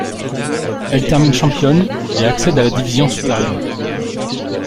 Elle termine championne et accède à la division supérieure.